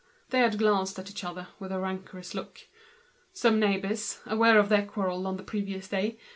They had glanced at each other with a rancorous look. The neighbors whispered, aware of their quarrel the previous day.